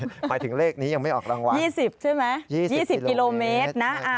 หมายเลขนี้ยังไม่ออกรางวัล๒๐ใช่ไหม๒๐กิโลเมตรนะ